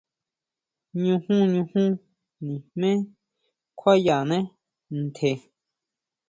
Ñujun, ñujun nijmé kjuayánee ntje.